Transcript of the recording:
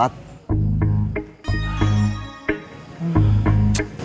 gak bang masih ngantuk